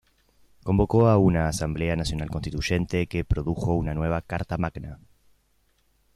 Convocó a una Asamblea Nacional Constituyente que produjo una nueva Carta Magna.